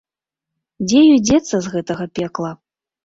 Дзе ёй дзецца з гэтага пекла?